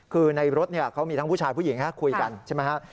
คือในรถเขามีทั้งผู้ชายผู้หญิงคุยกันใช่ไหมฮะ